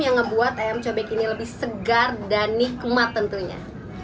yang membuat ayam cobek ini lebih segar dan nikmat tentunya